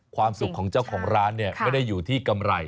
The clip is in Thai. ความสุขของเจ้าของร้านเนี่ยไม่ได้อยู่ที่กำไร